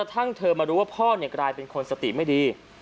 ทั้งเธอมารู้ว่าพ่อกลายเป็นคนสติไม่ดี